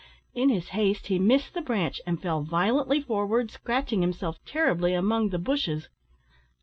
In his haste he missed the branch, and fell violently forward, scratching himself terribly among the bushes.